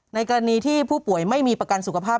กรณีที่ผู้ป่วยไม่มีประกันสุขภาพ